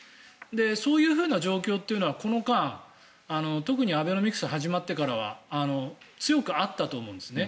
そういう状況というのはこの間特にアベノミクスが始まってからは強くあったと思うんですよね。